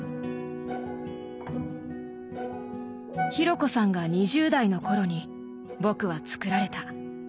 紘子さんが２０代のころに僕は作られた。